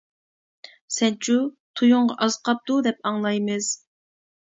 سەنچۇ، تويۇڭغا ئاز قاپتۇ دەپ ئاڭلايمىز.